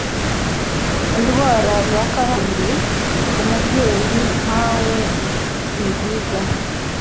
indwara z'akarande ku mubyeyi nkawe sinziza